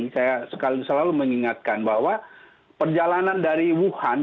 saya selalu mengingatkan bahwa perjalanan dari wuhan